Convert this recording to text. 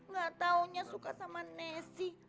gak taunya suka sama nasi